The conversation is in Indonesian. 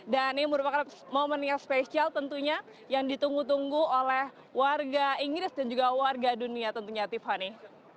dan ini merupakan momen yang spesial tentunya yang ditunggu tunggu oleh warga inggris dan juga warga dunia tentunya tiffany